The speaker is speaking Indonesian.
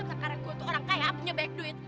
jangan tukar karat gue tuh orang kaya punya banyak duit